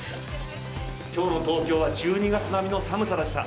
きょうの東京は１２月並みの寒さでした。